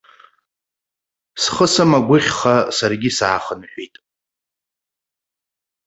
Схы сымагәыхьха, саргьы саахынҳәит.